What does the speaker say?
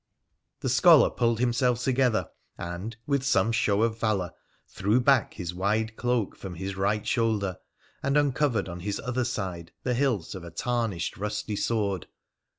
The scholar pulled himself together, and, with some show of valour, threw back his wide cloak from his right shoulder, and uncovered on his other side the hilt of a tarnished, rusty sword.